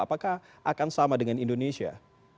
apakah akan sama dengan indonesia